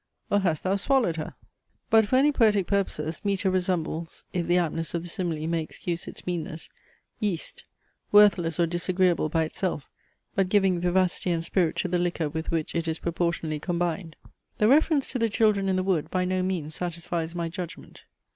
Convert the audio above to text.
or hast thou swallow'd her?" But for any poetic purposes, metre resembles, (if the aptness of the simile may excuse its meanness), yeast, worthless or disagreeable by itself, but giving vivacity and spirit to the liquor with which it is proportionally combined. The reference to THE CHILDREN IN THE WOOD by no means satisfies my judgment.